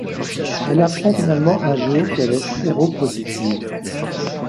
Elle apprend finalement un jour qu'elle est séropositive.